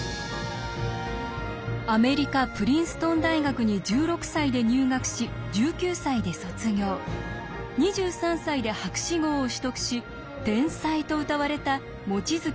アメリカプリンストン大学に１６歳で入学し１９歳で卒業２３歳で博士号を取得し天才とうたわれた望月新一博士。